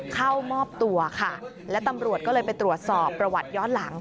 เข้ามอบตัวค่ะและตำรวจก็เลยไปตรวจสอบประวัติย้อนหลัง